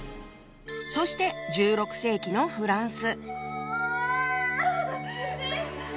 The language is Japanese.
そして１６世紀のフランス。